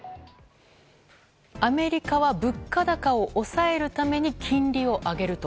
アメリカは物価高を抑えるために金利を上げる。